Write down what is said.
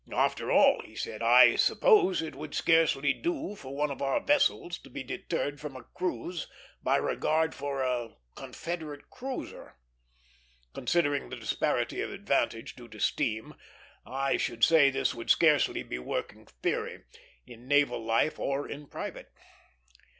"After all," he said, "I suppose it would scarcely do for one of our vessels to be deterred from a cruise by regard for a Confederate cruiser." Considering the disparity of advantage, due to steam, I should say this would scarcely be a working theory, in naval life or in private.